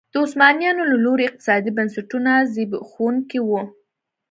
د عثمانیانو له لوري اقتصادي بنسټونه زبېښونکي وو.